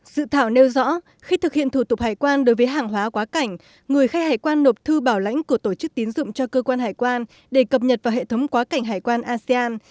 dự thảo nêu rõ khi thực hiện thủ tục hải quan đối với hàng hóa quá cảnh người khai hải quan nộp thư bảo lãnh của tổ chức tín dụng cho cơ quan hải quan để cập nhật vào hệ thống quá cảnh hải quan asean